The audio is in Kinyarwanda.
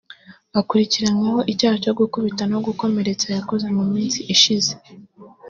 Akurikiranyweho icyaha cyo gukubita no gukomeretsa yakoze mu minsi ishize